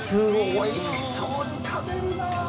おいしそうに食べるな。